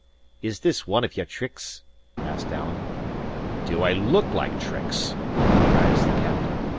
"Is this one of your tricks?" asked Alan. "Do I look like tricks?" cries the captain.